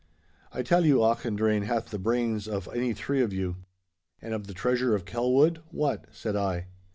I tell you Auchendrayne hath the brains of any three of you.' 'And of the treasure of Kelwood, what?' said I.